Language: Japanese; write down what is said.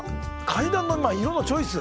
階段の色のチョイス。